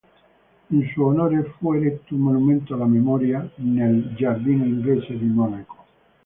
In suo onore fu eretto un monumento alla memoria nel Giardino Inglese di Monaco.